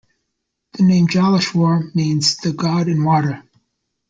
The name Jaleshwar means the 'God in Water'.